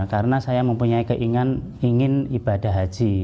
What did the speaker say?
karena saya mempunyai keinginan ingin ibadah haji